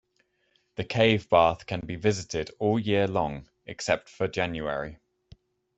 The Cave Bath can be visited all year long, except for January.